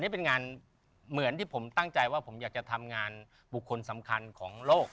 นี่เป็นงานเหมือนที่ผมตั้งใจว่าผมอยากจะทำงานบุคคลสำคัญของโลก